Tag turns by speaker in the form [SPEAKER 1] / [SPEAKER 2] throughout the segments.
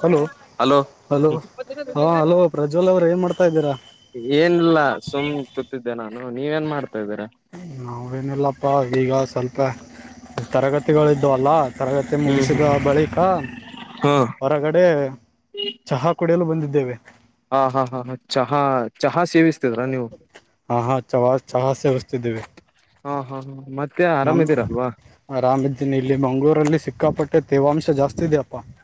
[SPEAKER 1] hello
[SPEAKER 2] hello
[SPEAKER 1] hello ಹಾ hello Prajwal ಅವರು ಏನ್ ಮಾಡ್ತಾ ಇದ್ದೀರಾ
[SPEAKER 2] ನ ನೀವ ಏನ್ ಮಾಡ್
[SPEAKER 1] ನಾವೇನಿಲ್ಲಪ್ಪಾ ಈಗ ಸ್ವಲ್ಪ ತರಗತಿಗಳಿದ್ದವಲ್ಲ ತರಗತಿ
[SPEAKER 2] ಹ್ಮ್
[SPEAKER 1] ಮುಗಿಸಿದ ಬಳಿಕ
[SPEAKER 2] ಹಾ
[SPEAKER 1] ಹೊರಗಡೆ
[SPEAKER 2] [inaudible]
[SPEAKER 1] ಕಡೆಯಲು ಬಂದಿದ್ದೇವೆ
[SPEAKER 2] ಹಾ ಹಾ ಹಾ ಹಾ ಚಹಾ ಚಹಾ ಸೇವಿಸ್
[SPEAKER 1] ಹಾ ಹಾ ಚ ಚಹ ಸೇವಿಸ್ತೀದ್ದಿವಿ
[SPEAKER 2] ಹಾ ಹಾ ಹಾ ಮತ್ತೆ ಮತ್ತೆ ಆರಾಮ ಇದ್ದಿರಲ್ಲ
[SPEAKER 1] ಇ ಇಲ್ಲಿ ಮಂಗಗಳೂರಲ್ಲಿ ಸಿಕ್ಕಾಪಟ್ಟೆ ತೇವಾಂಶ ಜಾಸ್ತಿ ಇದೆ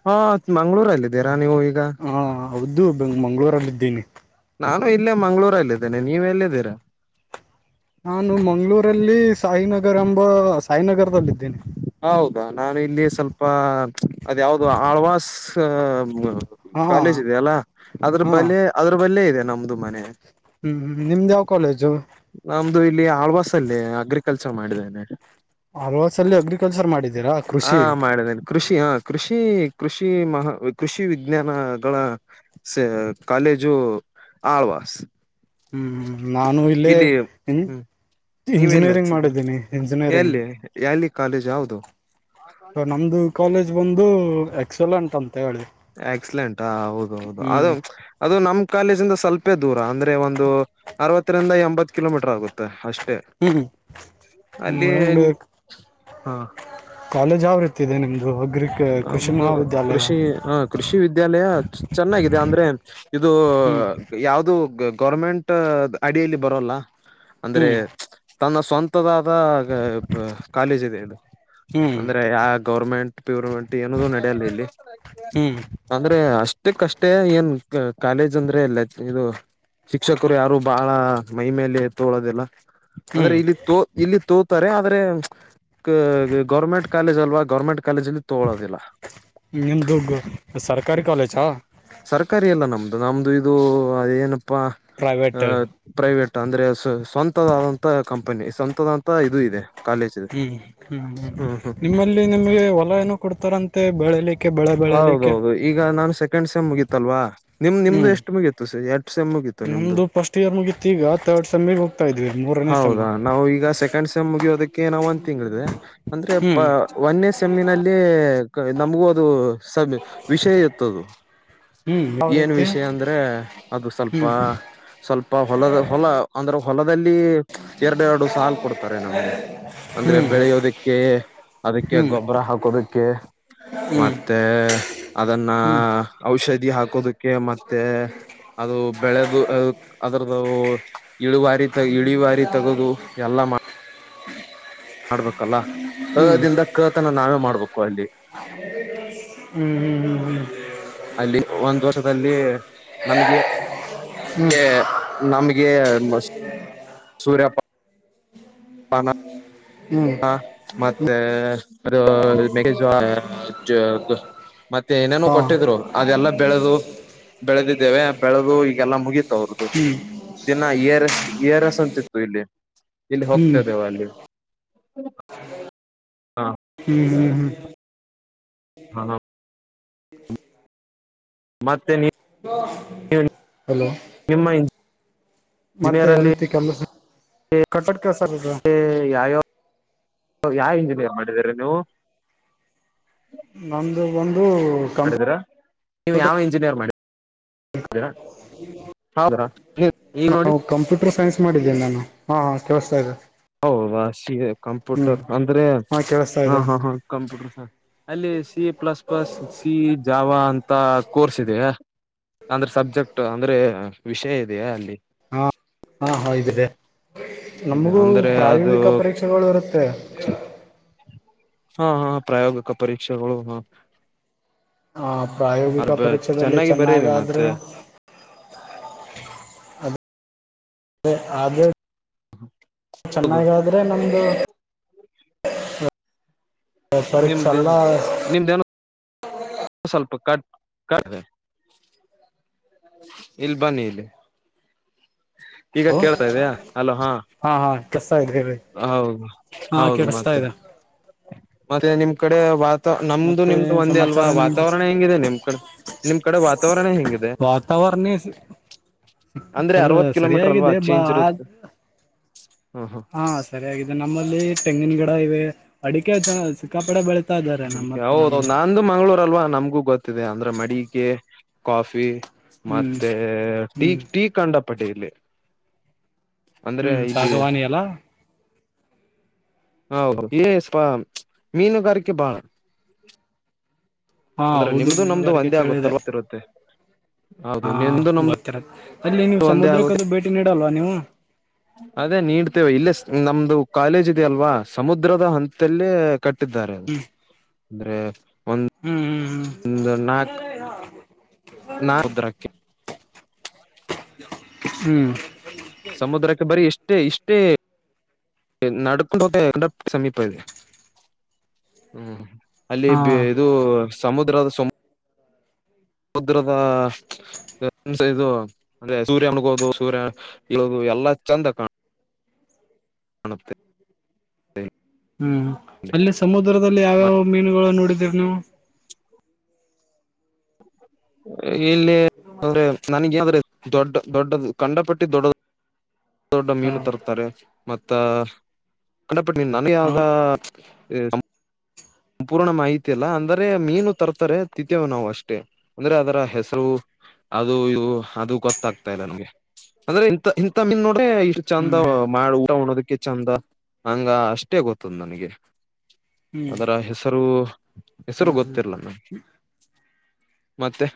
[SPEAKER 2] ಹಾ ಮಂಗ್ಗಳೂರಲ್ಲಿದ್ದೀರಾ ನೀವು ಈಗ
[SPEAKER 1] ಹಾ ಹೌದು ಬೆ್ ಮಂಗಳೂರಲ್ಲಿದ್ದೀನಿ
[SPEAKER 2] ನಾನು ಇಲ್ಲೇ ಮಂಗ್ಗಳೂರಲ್ಲಿದ್ದೇನೆ ನೀವ ಎಲ್ಲಿದ್ದೀರಾ
[SPEAKER 1] ನಾನು ಮಂಗ್ಗಳೂರಲ್ಲಿ ಸಾಯಿನಗರ್ ಎಂಬ ಸಾಯಿ ನಗರದಲ್ಲಿ
[SPEAKER 2] ಹೌದಾ ನಾನು ಇಲ್ಲಿ ಸ್ವಲ್ಪ ಅದ ಯಾವ್ದ ಆಳ್ವಾಸ್
[SPEAKER 1] ಹಾ
[SPEAKER 2] ಕಾಲೇಜ್ ಇದೆ ಅಲ್ಲ ಅದ್ರ
[SPEAKER 1] ಹಾ
[SPEAKER 2] ಬಲ್ಲ ಅದ್ರ ಬಲ್ಲೇ ಇದೆ ನಮ್ದು ಮನೆ
[SPEAKER 1] ಹ್ಮ್ ನಿಮ್ದು ಯಾವ ಕಾಲೇಜು
[SPEAKER 2] ನಮ್ದ ನಮ್ದು ಇಲ್ಲಿ ಆಳ್ವಾಸ ಅಲ್ಲೇ ಅಗ್ರಿ ಕೆಲಸ ಮಾಡಿದ್ದೇನೆ
[SPEAKER 1] ಆಳ್ವಾಸ ಅಲ್ಲಿ ಅಗ್ರಿಕಲ್ಚರ್ ಮಾಡಿದ
[SPEAKER 2] ಹಾ ಮಾಡಿದೇನೆ ಕೃಷಿ ಹ ಕೃಷಿ ಕೃಷಿ ಕೃಷಿ ಮಹಾ ಕೃಷಿ ವಿಜ್ಞಾನಗಳ ಕಾಲೇಜು ಆಳ್ವಾಸ್
[SPEAKER 1] ಹ್ಮ್ ನಾನು ಇಲ್ಲೇ
[SPEAKER 2] ಇಲ್ಲಿ ಹ್ಮ್ ನೀವೇನ್
[SPEAKER 1] ಇಂಜಿನಿಯರಿಂಗ್
[SPEAKER 2] ಹಚ್ಚಿದ್ರು
[SPEAKER 1] ಮಾಡಿದ್ದೀನಿ ಇಂಜಿನಿಯರಿಂಗ್
[SPEAKER 2] ಎಲ್ಲಿ ಎಲ್ಲಿ ಕಾಲೇಜ್ ಯಾವುದು
[SPEAKER 1] ನಮ್ದು ಕಾಲೇಜ್ ಬಂದು ಎಕ್ಸಲ್ಂಟ್ ಅಂತ ಹೇಳಿ
[SPEAKER 2] ಆಕ್ಸಲೆಂಟ್ ಆ ಹೌದ ಹೌದು
[SPEAKER 1] ಹ್ಮ್
[SPEAKER 2] ಅದು ಅದು ನಮ್ ಕಾಲೇಜಿಂದ ಸ್ವಲ್ಪೇ ದೂರ ಅಂದ್ರೆ ಒಂದು ಅರವತ್ತರಿಂದ ಎಂಬತ್ ಕಿಲೋಮೀಟರ್ ಆಗುತ್ತೆ ಅಷ್ಟೆ
[SPEAKER 1] ಹ್ಮ್
[SPEAKER 2] ಅಲ್ಲಿ
[SPEAKER 1] ನಮ್ದು
[SPEAKER 2] ಹಾ
[SPEAKER 1] ವ್ ಇತ [unintelligible] ನಿಮ್ದು ಅಗ್ರಿ ಕೃಷಿ
[SPEAKER 2] ನಮ್ದು
[SPEAKER 1] ಮಹಾವಿದ್ಯಾಲಯ
[SPEAKER 2] ಕೃಷಿ ಹ ಕೃಷಿ ವಿದ್ಯಾಲಯ ಚೆನ್ನಾಗಿದೆ ಅಂದ್ರೆ ಇದು
[SPEAKER 1] ಹ್ಮ್
[SPEAKER 2] ಯಾವ್ದು ಗೌರ್ಮೆಂಟ್ ಅಡಿಯಲ್ಲಿ ಬರೋಲ್ಲ ಅಂದ್ರೆ
[SPEAKER 1] ಹ್ಮ್
[SPEAKER 2] ತನ್ನ ಸ್ವಂತದ ಕಾಲೇಜ್ ಇದೆಡು
[SPEAKER 1] ಹ್ಮ್
[SPEAKER 2] ಅಂದ್ರೆ ಯ ಗೌರ್ಮೆಂಟ್ ಏನ ನಡಲ್ಲ ಇಲ್ಲಿ
[SPEAKER 1] ಹ್ಮ್
[SPEAKER 2] ಅಂದ್ರೆ ಅಷ್ಟ ಅಷ್ಟೇ ಏನ್ ಕಾಲೇಜ್ ಅಂದ್ರೆ ಇಲ್ಲ ಇದು ಶಿಕ್ಷಕರು ಯಾರು ಬಹಳ ಮೈ ಮೇಲೆ ತೋಳೋದಿಲ್ಲ ಅಂದ್ರೆ
[SPEAKER 1] ಹ್ಮ್
[SPEAKER 2] ಇಲ್ಲಿ ತೋ ಇಲ್ಲಿ ತೋತಾರೆ [unintelligible] ಗೌರ್ಮೆಂಟ್ ಕಾಲೇಜ್ ಅಲ್ವ ಗೋರ್ಮೆಂಟ್ ಕಾಲೇಜಲ್ಲಿ
[SPEAKER 1] ನಿಮ್ದು ಸರ್ಕಾರಿ ಕಾಲೇಜಾ
[SPEAKER 2] ಅ ನಮ್ಮದು ಇದು ಅದೇಏನು ಪ
[SPEAKER 1] ಪ್ರೈವೇಟ್
[SPEAKER 2] ಪ್ರೈವೇಟ್ ತಾಂ [inaudible] [unintelligible] ದ್ರೆಸ್ ಸ್ವಂತದಾದಂತಹ ಕಂಪನಿ ಸ್ವಂತದ ಮತ್ತ ಇದು ಇದೆ ಕಾಲೇಜ್ ಇದೆ
[SPEAKER 1] ಹ್ಮ್ ಹ್ಮ್ ಹ್ಮ್ ನಿಮ್ಮಲ್ಲಿ ನಿಮ್ಗೆ ಹೊಲ ಏನ ಕೊಡ್ತಾರಂತೆ ಬೆಳಲಿಕ್ಕೆ ಬೆಳೆ ಬೆಳಲಿಕ್ಕೆ
[SPEAKER 2] ಹೌದೌದು ಈಗ ನಾನ್ ಸೆಕೆಂಡ್ ಸೆಮ್ ಮುಗಿತಲ್ವಾ ನಿಮ್ ನಿಮ್ದು
[SPEAKER 1] ಹ್ಮ್
[SPEAKER 2] ಎಷ್ಟು ಮುಗಿಯತು ಸ ಎ ಸಮ್ ಮುಗತು ನಿಮ್ದು
[SPEAKER 1] ನಮ್ದು ಫಸ್ಟ್ ಇಯರ್ ಮುಗೀತಿ ಈಗ ತರ್ಡ್ ಸೆಮ್ಮಿಗೆ ಹೋಗ್ತಾ ಇದ್ವಿ ಮೂರನೇ ಸೆಮ್
[SPEAKER 2] ಹೌದಾ ನಾವು ಈಗ ಸೆಕೆಂಡ್ ಸೆಮ್ ಮುಗಿಯೋದಕ್ಕೆ ನಾವು ಒಂದ್ ತಿಂಗಳಿದೆ ಅಂದ್ರೆ
[SPEAKER 1] ಹ್ಮ್
[SPEAKER 2] ಒಂದೇ ಸೆಮ್ಮಿನಲ್ಲಿ ನಮಗೂ ಅದು ಸ [inaudible] ವಿಷಯ ಒತದು
[SPEAKER 1] ಹ್ಮ್ ಯಾವ
[SPEAKER 2] ಏನ್
[SPEAKER 1] ರೀತಿ
[SPEAKER 2] ವಿಷಯ ಅಂದ್ರೆ ಅದು ಸ್ವಲ್ಪ ಸ್ವಲ್ಪ ಹೊಲದ ಹೊಲ ಅಂದ್ರೆ ಹೊಲದಲ್ಲಿ ಎರಡೆರಡು ಸಾಲು ಕೊಡ್ತಾರೆ ನಮ್ಗೆ ಅಂದ್ರೆ
[SPEAKER 1] ಹ್ಮ್
[SPEAKER 2] ಬೆಳೆಯೋದಕ್ಕೆ ಅದಕ್ಕೆ
[SPEAKER 1] ಹ್ಮ್
[SPEAKER 2] ಗೊಬ್ಬರ ಹಾಕೋದಕ್ಕೆ
[SPEAKER 1] ಹ್ಮ್
[SPEAKER 2] ಮತ್ ಮತ್ತೆ ಅದನ್ನ
[SPEAKER 1] ಹ್ಮ್
[SPEAKER 2] ಔಷಧಿ ಹಾಕ ಕೋದಕ್ಕೆ ಮತ್ ಮತ್ತೆ ಅದು ಬೆಳೆದು ಅದ್ರ ಅದು ಇಳುವಾರಿ ತ ಇಳಿವಾರಿ ತಗೋದು ಎಲ್ಲ ಮಾಡ ಮಾಡಾಡ್ಬ ಲ್ಲ ಹದಿಂದ ಕತನ ನಾವೇ ಮಾಡ್ಬೇಕು ಅಲ್ಲಿ
[SPEAKER 1] ಹ್ಮ್ ಹ್ಮ್ ಹ್ಮ್
[SPEAKER 2] ಅಲ್ಲಿ ಒಂದು ವರ್ಷದಲ್ಲಿ ನಮಗೆ ನಮ್ಗೆ ಸೂರ್ಯಪ್ಪ ಅನ
[SPEAKER 1] ಹ್ಮ್
[SPEAKER 2] ಹಾ ಮತ್ತೆ ಅ ಮ [unintelligible] ಮತ್ತೆ ಏನೇನೋ
[SPEAKER 1] ಹಾ
[SPEAKER 2] ಕೊಟ್ಟಿದ್ರು ಅದೆಲ್ಲ ಬೆಳೆದು ಬೆಳೆದಿದ್ದೇವೆ ಬೆಳೆದು ಈಗೆಲ್ಲಾ ಮುಗೀತ ಅವ್ರದ್ದು
[SPEAKER 1] ಹ್ಮ್
[SPEAKER 2] ದಿನ ಏರ್ ಏರ್ಸ್ ಅಂತಿತ್ತು ಇಲ್ಲಿ ಇಲ್ಲಿ
[SPEAKER 1] ಹ್ಮ್
[SPEAKER 2] ಹೋಗ್ತದೆೇವು ಅಲ್ಲಿ ಹ್ಮ [unintelligible] ಹಾ [unintelligible]
[SPEAKER 1] ಹ್ಮ್ ಹ್ಮ್ ಹ್ಮ್
[SPEAKER 2] ಹಾ [unintelligible] ಮತ್ತೆ ನೀ [inaudible]
[SPEAKER 1] ಹಲೋ
[SPEAKER 2] ನಿಮ್ಮ
[SPEAKER 1] ಮತ್ತೆ
[SPEAKER 2] ಇಂಜಿನಿಯರ್
[SPEAKER 1] ಯಾವ ರೀತಿ ಕೆಲಸ ಕಟ್ಟಡ
[SPEAKER 2] ಹ ಯಾಯೋ ಯಾವ ಇಂಜಿನಿಯರ್ ಮಾಡಿದರೆ ನೀವು
[SPEAKER 1] ನಮದು ಒಂದು ಕಂಪ್ಯ
[SPEAKER 2] ರ ಹೌದ್ರಾ
[SPEAKER 1] ನಾವು ಕಂಪ್ಯೂಟರ್ ಸೈನ್ಸ್ ಮಾಡಿದ್ದೇನೆ ನಾನು ಹಾಂ ಹಾಂ ಕಳಿಸ್ತಾ ಇದದೆ
[SPEAKER 2] ಹೌದಾ ಸಿ [unintelligible] ಕಂಪ್ಯೂಟರ್ ಅಂದ್ರೆ
[SPEAKER 1] ಕೇಳಿಸ್ತಾ
[SPEAKER 2] ಹ
[SPEAKER 1] ಇದೆ
[SPEAKER 2] ಹಾ ಹಾ ಕಂಪ್ಯೂಟರ್ ಸ ಅಲ್ಲಿ C plus plus C Java ಅಂತ ಕೋರ್ಸ್ ಇ ಅಂದ್ರೆ ಸಬ್ಜೆಕ್ಟ್ ಅಂದ್ರೆ ವಿಷಯ ಇೆಯಾ ಅಲ್ಲಿ
[SPEAKER 1] ಹಾ ಹಾ ಹ ಇದ್ದಿದೆ
[SPEAKER 2] ಇದೆ
[SPEAKER 1] ನಮಗೂ
[SPEAKER 2] ಅಂದ್ರೆ ಅದು
[SPEAKER 1] ಪ್ರಾಯೋಗಿಕ ಪರೀಕ್ಷೆಗಳು ಇರುತ್ತೆ
[SPEAKER 2] ಹಾ ಹಾ ಪ್ರಾಯೋಗಿಕ ಪರೀಕ್ಷೆಗಳು ಹಾ
[SPEAKER 1] ಹ ಪ್ರಾಯೋಗಿಕ ಪರೀಕ್ಷದಲ್ಲಿ
[SPEAKER 2] ಬರೀರಿ
[SPEAKER 1] ಚೆನ್ನಾಗಾದರೆ
[SPEAKER 2] ಮತ್ತೆ
[SPEAKER 1] ಹ ಆದದ [unintelligible]
[SPEAKER 2] ಹೌದು
[SPEAKER 1] ಚೆನ್ನಾಗಾದ್ರೆ ನಮ್ದು
[SPEAKER 2] ನಿಮ್ದೇ ನಿಮ್ದೇನು
[SPEAKER 1] ಹ [unintelligible]
[SPEAKER 2] ಸ್ವಲ್ಪ ಕಟ್ ಕ ಇಲ್ಲಿ ಬನ್ನಿ ಇಲ್ಲಿ ಈಗ ಕೇಳ್ತಾ ಇದ್ಯಾಾ ಅಲೋ ಹಾ
[SPEAKER 1] ಹಾ ಕೆಲ್ಸ ಇದೆ ಹೇಳಿ
[SPEAKER 2] ಹೌದು
[SPEAKER 1] ಹಾ
[SPEAKER 2] ಹೌದು
[SPEAKER 1] ಕೇಳಿಸ್ತಾ
[SPEAKER 2] ಮತ್ತೆ
[SPEAKER 1] ಇದೆ
[SPEAKER 2] ಮತ್ತೆ ನಿಮ್ ಕಡೆ ವಾತ ನಮ್ದು
[SPEAKER 1] ಮತ್ತೆ
[SPEAKER 2] ನಿಮ್ದು
[SPEAKER 1] ಏನ್
[SPEAKER 2] ಒಂದೇ ಅಲ್ವಾ
[SPEAKER 1] ಸಮಾಚಾರ ನಿಮ್ದು
[SPEAKER 2] ವಾತಾವರಣ ಹೆಂಗಿದೆ ನಿಮ್ ಕಡೆ ನಿಮ್ ಕಡೆ ವಾತಾವರಣ ಹೆಂಗಿದೆ
[SPEAKER 1] ವಾತಾವರಣ
[SPEAKER 2] ಅಂದ್ರ ಅವತ್ ಕಿಲೋಮೀಟರ್ ಅಲ್ವಾ
[SPEAKER 1] ಹಗಿದೆ ಬಾ
[SPEAKER 2] ಚೇಂಜ್ ಇರುತ್ತೆ ಹ ಹ
[SPEAKER 1] ಹಾ ಸರಿಯಾಗಿದೆ ನಮ್ಮಲ್ಲಿ ತೆಂಗಿನ ಗಿಡ ಇವೆ ಅಡಿಕೆ ಸಿಕ್ಕಾಪಡೆ ಬೆಳೀತಾ ಇದ್ದಾರೆ
[SPEAKER 2] ಅ
[SPEAKER 1] ನಮ್ಮತ್ತ
[SPEAKER 2] ಹೌದ
[SPEAKER 1] ನಮ್ದು
[SPEAKER 2] ನಂದುು ಮಂಗ್ಗಳೂರ್ ಅಲ್ವಾ ನಮ್ಗು ಗೊತ್ತಿದೆ ಅಂದ್ರೆ ಮಡಿಕೆ ಕಾಫಿ
[SPEAKER 1] ಹ್ಮ್
[SPEAKER 2] ಮತ್ತೆ ಟೀ
[SPEAKER 1] ಹ್ಮ್
[SPEAKER 2] ಟೀ ಕಂಡ ಪಟೇಲ್ಲಿ
[SPEAKER 1] ಹ್ಮ್ ಸಾಗವಾಣಿ ಎಲ್ಲಾ
[SPEAKER 2] ಹ ಇ ಮೀನುಗಾರಕ್ಕೆ ಬಳ
[SPEAKER 1] ಹಾ
[SPEAKER 2] ಅಂದ್ರೆ
[SPEAKER 1] ಹೌದು
[SPEAKER 2] ನಿಮ್ದು ನಮ್ದು
[SPEAKER 1] ಮೀನುಗಾರಿಕೆ
[SPEAKER 2] ಒಂದೇ
[SPEAKER 1] ಕೇಳಿದೆ
[SPEAKER 2] ಆಗುತ್ತಲ್ ಗರುತ್ತೆ
[SPEAKER 1] ಹಾ ಗೊತ್ತರ
[SPEAKER 2] ಒಂದೇ ಅದೇ ನೀಡ್ತೇವೆ ಇಲ್ಲೇ ನಮ್ದು ಕಾಲೇಜ್ ಇದೆಯಲ್ವಾ ಸಮುದ್ರದ ಹಂತಲ್ಲ ಕಟ್ಟಿದ್ದಾರೆ ಅ ಅಂದ್ರೆ ಒಂದ
[SPEAKER 1] ಹ್ಮ್ ಹ್ಮ್ ಹ ನ ರ ಹಾ
[SPEAKER 2] ನಾ ಉದ್ರಕ್ಕೆ
[SPEAKER 1] ಹ್ಮ್
[SPEAKER 2] ಸಮುದ್ರಕ್ಕೆ ಬರಿ ಎಷ್ಟು ಇಷ್ಟ ಇಷ್ಟೇ ನಡ್ಕೊಂಡು ಹ ಸಮೀಪ ಇದೆ ಹ್ಮ್ ಅಲ್ಲಿ
[SPEAKER 1] ಹಾ
[SPEAKER 2] ಇದು ಸಮುದ್ರದ ಸು ಸಮುದ್ರದ ಹ್ಮ ಇದು ಅಂದೆ ಸೂರ್ಯನಮುಣುಗೋದು ಸೂರ್ಯ ಇದು ಎಲ್ಲಾ ಚಂದಾಣ ಮಂತೆ
[SPEAKER 1] ಹು ಅಲ್ಲಿ ಸಮುದ್ರದಲ್ಲಿ ಯಾವ್ಯಾವ ಮೀನುಗಳು ನೋಡಿ ಇನು
[SPEAKER 2] ಇಲ್ಲಿ ಹಾಗೇ ನನಗ್ ದೊಡ್ಡ ದೊಡ್ಡದು ಕಂಡ ಪಟ್ಟಿ ದೊಡ್ಡದು ದೊಡ್ಡ ದೊಡ್ಡ
[SPEAKER 1] ಹಾ
[SPEAKER 2] ಮೀನು ತರುತ್ತಾರೆ ಮತ್ತ ಬಟ್ ನೀನ್ ನನಗೆ
[SPEAKER 1] ಹಾ
[SPEAKER 2] ಯಾವ್ದ ಹ ಸಂಪೂರ್ಣ ಮಾಹಿತಿ ಇಲ್ಲ ಅಂದ್ರೆ ಮೀನು ತರ್ತಾರೆ ತಿಂತ್ತೇವೆ ನಾವು ಅಷ್ಟೇ ಅಂದ್ರೆ ಅದರ ಹೆಸರು ಅದು ಇದು ಅದು ಗೊತ್ತಾಗ್ತಾ ಇಲ್ಲ ನನ್ಗೆ ಅಂದ್ರೆ ಇ ಇಂಥ ಮೀನು ನೋ ಇಷ್ಟು ಚಂದ
[SPEAKER 1] ಹ್ಮ್
[SPEAKER 2] ಮಾಡ ಊಟ ಚಂದ ಹಂಗ ಅಷ್ಟೇ ಗೊತ್ತದ ನನಗೆ
[SPEAKER 1] ಹ್ಮ್
[SPEAKER 2] ಅದರ ಹೆಸರು ಹೆಸರು
[SPEAKER 1] ಹ್ಮ್ ಹ್ಮ್
[SPEAKER 2] ಗೊತ್ತಿರಲ್ಲ ಮತ್ತೆ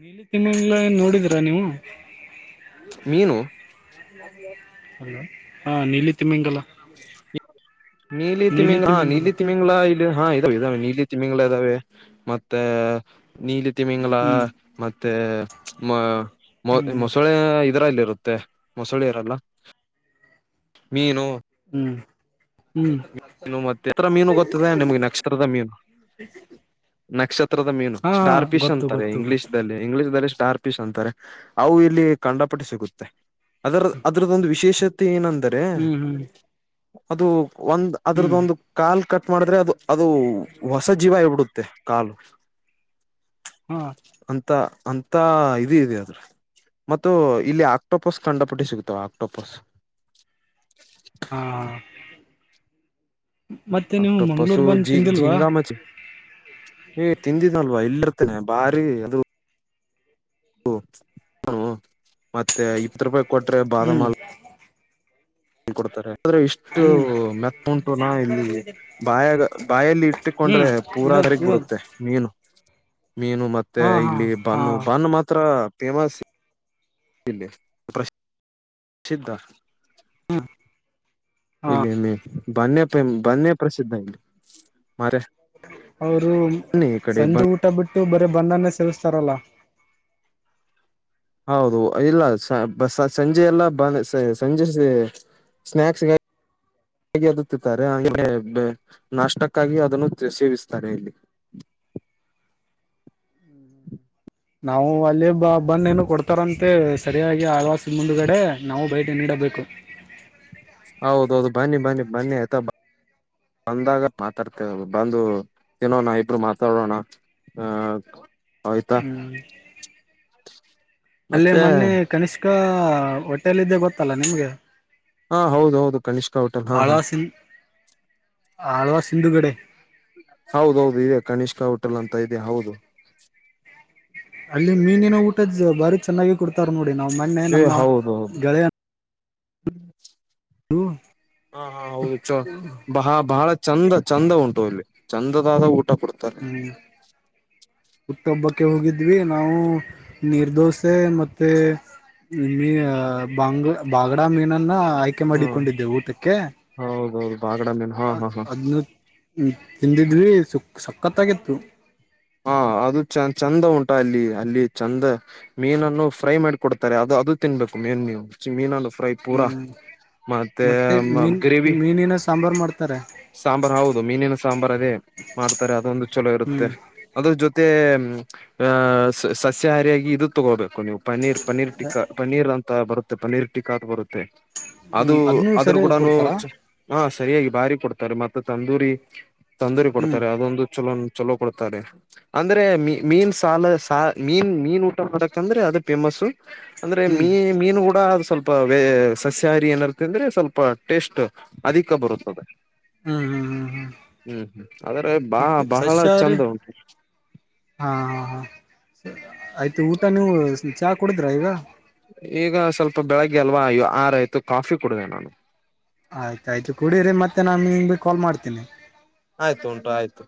[SPEAKER 1] ನೀಲಿ ತಿಮ್ಮಿಂಗಲ ನೋಡಿದೀರಾ ನೀವು
[SPEAKER 2] ಮೀನು
[SPEAKER 1] ಹಾ ನೀಲಿ ತಿಮ್ಮಿಂಗಲ
[SPEAKER 2] ನೀಲಿ ತಿಮಿಂಗಿಲ ಹ
[SPEAKER 1] ತಿಮಿಂಗಲ
[SPEAKER 2] ನೀಲಿ ತಿಮಿಂಗಿಲ ಹ ಅದಾವೇ ನೀಲಿ ತಿಮಿಂಗ್ಳ ಇದ್ದಾವೆ ಮತ್ತೆ ನೀಲಿ ಹತ್ತಮಿಂಗಲ
[SPEAKER 1] ಹ್ಮ್
[SPEAKER 2] ಮತ್ತೆ ಮ ಮ
[SPEAKER 1] ಹ್ಮ್
[SPEAKER 2] ಮೊಸಳೆ ಇದ್ರಲ್ಲಿ ಇರುತ್ತೆ ಮೊಸಳಿರೆಲ್ಲ ಮೀನು
[SPEAKER 1] ಹ್ಮ್ ಹ್ಮ್
[SPEAKER 2] ಮೀನು ಮತ್ತೆತ್ರ ಮೀನು ಗೊತ್ತಿದೆ ನಿಮ್ಗೆ ನಕ್ಷತ್ರದ ಮೀನು ನಕ್ಷತ್ರದ ಮೀನು
[SPEAKER 1] ಹಾ
[SPEAKER 2] ಸ್ಟಾರ್ ಪಿಶ್
[SPEAKER 1] ಗೊತ್ತು
[SPEAKER 2] ಅಂತಾರೆ
[SPEAKER 1] ಗೊತ್ತು ಗೊತ್ತು
[SPEAKER 2] ಇಂಗ್ಲೀಷ್ಲ್ಲಿ ಇಂಗ್ಲೀಷ್ಲ್ಲಿ ಸ್ಟಾರ್ ಪೀಸ್ ಅಂತಾರೆ ಅವು ಇಲ್ಲಿ ಕಂಡ ಪಟ್ಟು ಸಿಗುತ್ತೆ ಅದರ ಅದ್ರದ್ದೊಂದು ವಿಶೇಷ ತೇಏನಂದಂತೆ
[SPEAKER 1] ಹ್ಮ್ ಹ್ಮ್
[SPEAKER 2] ಅದು ಒಂದ್ ಅದ್ರದ್ದ
[SPEAKER 1] ಹ್ಮ್
[SPEAKER 2] ಒಂದು ಕಾಲು ಕಟ್ ಮಾಡಿದ್ರೆ ಅದು ಅದು ಹೊಸ ಜೀವ ಇಬಿಡುತ್ತೆ ಕಾಲು
[SPEAKER 1] ಹಾ
[SPEAKER 2] ಅಂತ ಅಂತ ಇದ ಇದೆ ಅ್ರೆ ಮತ್ತು ಇಲ್ಲಿ ಆಕ್ಟೋಪಸ್ ಕಂಡಪಟ್ಟಿ ಸಿಗತಾವ ಆಕ್ಟೋಪಾಸ್
[SPEAKER 1] ಹಾ ಮತ್ತೆ ನೀವು ಮಂಗ್ಳೂರ್
[SPEAKER 2] ಆಕ್ಟೋಪಸು
[SPEAKER 1] ಬಂದು
[SPEAKER 2] ಜಿ
[SPEAKER 1] ತಿಂದಿಲ್ವಾ
[SPEAKER 2] ಜಿಂಗಾ ಮಚಿ ಏ ತಿಂದಿದ್ನಲ್ವಾ ಇಲ್ಲಿರ್ತೇನೆ ಭಾರಿ ಅದು ಓ ಹ ಮತ್ತೆ ಇತ್ ರೂಪಾಯಿ ಕೊಟ್ರೆ ಬಾದಾಮ
[SPEAKER 1] ಹ್ಮ್
[SPEAKER 2] ಹಲ್ ಹ ಕೊಡ್ತಾರೆ ್ರೆ ಇಷ್ಟು
[SPEAKER 1] ಹ್ಮ್
[SPEAKER 2] ಮೆತ್ತ ಉಂಟುನಾ ಇಲ್ಲಿ ಬಾಯ ಬಾಯಲ್ಲಿ
[SPEAKER 1] ಹ್ಮ್
[SPEAKER 2] ಇಟ್ಟಕೊಂಡ್ರೆ ಪೂರಾ
[SPEAKER 1] ಇದು
[SPEAKER 2] ಕರಿಗ್
[SPEAKER 1] ಇದು
[SPEAKER 2] ಬಿಿಡುತ್ತೆ ಮೀನು ಮೀನು ಮತ್ತೆ
[SPEAKER 1] ಹಾ ಹಾ
[SPEAKER 2] ಇಲ್ಲಿ
[SPEAKER 1] ಹಾ
[SPEAKER 2] ಬ್ಣ ಬನ್ ಮಾತ್ರ ಫೇಮಸ್ ಇಶ್ ಸಿದ್ಧ
[SPEAKER 1] ಹಾ
[SPEAKER 2] ಇಲ್ಲಮ್ಮೆ ಬನ್ನೆ ಬನ್ನೇ ಪ್ರಸಿದ್ಧ ಇಲ್ಲಿ ಮರ
[SPEAKER 1] ಅವರು
[SPEAKER 2] ಬ
[SPEAKER 1] ಸಂಜೆ ಊಟ ಬಿಟ್ಟು ಬರೇ ಬಧನ ಸಲ್ಲಸ್ತಾರಲ್ಲ
[SPEAKER 2] ಹೌದು ಇಲ್ಲ ಸಂಜೆಯೆಲ್ಲ ಬ ಸಂಜೆ ಸ್ನಾಕ್ಸ್ ಅದು ತಿತ್ತಾರೆ ಆೇಲೆ ನಾಷ್ಟಕ್ಕಾಗಿ ಅದನ್ನು ಸೇವಿಸ್ತಾರೆ ಇಲ್ಲಿ
[SPEAKER 1] ನಾವು ಅಲ್ಲಿೇ ಬ ಬಂದ್ ಏನು ಕೊಡ್ತಾರಂತೆ ಸರಿಯಾಗಿ ಆವಾಸದ ಮುಂದಗಡೆ ನಾವು ಭೇಟಿ ನೀಡಬೇಕು
[SPEAKER 2] ಹೌದೌದು ಬನ್ನಿ ಬನ್ನಿ ಬನ್ನಿ ಆಯ್ತಾ ಬಂದಾಗ ಮಾತಾಡ್ತೇ ಬಂದು ತಿನ್ನೋಣ ಇಬ್ರು ಮಾತಾಡೋಣ ಆ
[SPEAKER 1] ಹ್ಮ್ ಅಲ್ಲೇ
[SPEAKER 2] ಮತ್ತೆ
[SPEAKER 1] ಮೊನ್ನೆ ಕನಷ್ ಈಗ ಹೋಟೆಲ್ ಇದ್ದೆ ಗೊತ್ತಲ್ಲ ನಿಮ್ಗೆ
[SPEAKER 2] ಹಾ ಹೌದು ಹೌದು ಕನಿಷ್ಕಾ ಹೋಟೆಲ್ ಹಾ ಹಾ
[SPEAKER 1] ಹಳವಾ ಸಿಂಧುಗಡೆ
[SPEAKER 2] ಹೌದೌದು ಇದೆ ಕನಿಷ್ಕಾ ಹೋಟೆಲ್ ಅಂತ ಇದೆ ಹೌದು
[SPEAKER 1] ಅಲ್ಲಿ ಮೀನಿನ ಊಟದ ಭಾರಿ ಚೆನ್ನಾಗಿ ಕೊಡ್ತಾರ ನೋಡಿ ನಡಿ ನಾ್ ಮೊನ್ನೆ ನಮ್ಮ ಗೆಳೆಯ
[SPEAKER 2] ಹ್ಮ್
[SPEAKER 1] ಹ್ಮ
[SPEAKER 2] ಹಾ ಹಾ ಹೌದು ಬಹ ಬಹಳ ಚಂದ ಚಂದ ಉಂಟು ಇಲ್ಲಿ ಚಂದದಾದ ಊಷ್ಟ ಕೊಡ್ತಾರೆ
[SPEAKER 1] ಹುಟ್ಟೊಬ್ಬಕ್ಕೆ ಹೋಗಿದ್ವಿ ನಾವು ನಿರ್ದೋಷ ಮತ್ತ ಮತ್ತೆ ಬಂಗ ಬಾಗಡ ಮೀನನ್ನ ಆಯ್ಕೆ
[SPEAKER 2] ಹ್ಮ
[SPEAKER 1] ಮಾಡಿಕೊಂಡಿದ್ದೆ ಊಟಕ್ಕೆ
[SPEAKER 2] ಹೌದೌದು ಬಾಗಡ ಮೀನು ಹಾ ಹಾ ಹಾ
[SPEAKER 1] ಹದ್ೂ ಹ ತಿಂದಿದ್ರಿ ಸುಕ್ ಸಖತ್ತಾಗಿತ್ತು
[SPEAKER 2] ಹ ಅದು ಚ ಚಂದ ಉಂಟ ಅಲ್ಲಿ ಅಲ್ಲಿ ಚಂದ ಮೀನನ್ನು ಫ್ರೈ ಮಾಡಿಿಕ ಕೊಡ್ತಾರೆ ಅದು ಅದು ತಿನ್ಬೇಕು ಮೀನ್ ನೀವು ಮೀನನ್ನು ಫ್ರೈ ಪೂರಾ
[SPEAKER 1] ಹ್ಮ್ ಮತ್ತೆ ಮೀನ್
[SPEAKER 2] ಗ್ರೇವಿ
[SPEAKER 1] ಮೀನಿನ ಸಾಂಬಾರ್ು ಮಾಡ್ತ
[SPEAKER 2] ಸಾಂಬಾರ್ ಹೌದು ಮೀನಿನ ಸಾಂಬಾರ್ ಅದೇ ಮಾಡ್ತಾರೆ ಅದೊಂದು ಚಲೋ ಇರುತ್ತೆ
[SPEAKER 1] ಹ್ಮ್
[SPEAKER 2] ಅದ್ರ ಜೊತೆ ಮತ್ತ ಆ್ ಸಸ್ಯಹಾರಿಯಾಗಿ ಇದು ತಗೋಬೇಕು ನೀವು ಪನೀರ್ ಪನೀರ್ ಟಕ್ಕಾ ಪನೀರ್ ಅಂತ ಬರುತ್ತೆ ಪನೀರ್ ಟಿಿಕಾತ್ ಬರುತ್ತೆ ಅದು
[SPEAKER 1] ಹ್ಮ್ ಅದನ್ನು
[SPEAKER 2] ಅದ್ರ
[SPEAKER 1] ಸರಿ
[SPEAKER 2] ಕೂಡನು
[SPEAKER 1] ಕೊಡ್ತಾರಾ
[SPEAKER 2] ಹ ಸರಿಯಾಗಿ ಬಾರಿ ಕೊಡ್ತ ತರ್ ಮತ್ತ ತಂದೂರಿ ತೊಂದರೆ
[SPEAKER 1] ಹ್ಮ್
[SPEAKER 2] ಕೊಡ್ತಾರೆ ಅದೊಂದು ಚಲೋ ಚಲೋ ಕೊಡ್ತಾರೆ ಅಂದ್ರೆ ಮೀ ಮೀನ್ ಸಾಲ ಮೀನ್ ಮೀನ್ ಊಟ ಮಾಡಕಂದ್ರೆ ಅದು ಫೇಮಸ್ ಅಂದ್ರೆ
[SPEAKER 1] ಹ್ಮ್
[SPEAKER 2] ಮೀ ಮೀನು ಕೂಡ ಸ್ವಲ್ಪ ವೇ ಸಸ್ಯಾಹಾರಿ ಏನರ್ತ ಅಂದ್ರೆ ಸ್ವಲ್ಪ ಟೇಸ್ಟ್ ಅಧಿಕ ಬರುತ್ತದೆ
[SPEAKER 1] ಹ್ಮ್ ಹ್ಮ್ ಹ್ಮ್ ಹ್ಮ್
[SPEAKER 2] ಹ್ಮ್ ಹ್ಮ್ ಆದ್ರೆ ಬಾ
[SPEAKER 1] ಮತ್ತೆ
[SPEAKER 2] ಬಹಳ
[SPEAKER 1] ಸಸ್ಯಾಹಾರಿ
[SPEAKER 2] ಚಂದ ಉಂಟು
[SPEAKER 1] ಸರಿ ಆಯ್ತು ಊಟನ ನೀವು ಕುಡಿದ್ರ ಈಗ
[SPEAKER 2] ಈಗ ಸ್ವಲ್ಪ ಬೆಳಗ್ಗೆ ಅಲ್ವಾ ಆರಾಯಯ್ತು ಕಾಫಿ ಕುಡ್ಡೆ ನಾನು
[SPEAKER 1] ಆಯ್ತಾಯ್ತು ಕುಡ್ರರಿ ಮತ್ತೆ ನಾನು ಹಿಂಗ ಬಿ ಕಾಲ್ ಮಾಡ್ತೀನಿ
[SPEAKER 2] ಆಯ್ತು ಉಟು ಆಯ್ತು